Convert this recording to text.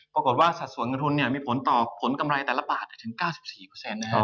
ปรากฏว่าสัดส่วนเงินทุนมีผลต่อผลกำไรแต่ละบาทถึง๙๔